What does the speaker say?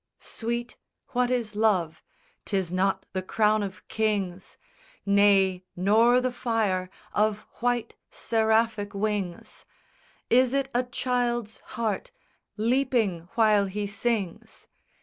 SONG I Sweet, what is love? 'Tis not the crown of kings, Nay, nor the fire of white seraphic wings! Is it a child's heart leaping while he sings?